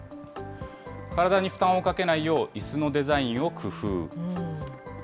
体に負担をかけないよういすのデザインを工夫。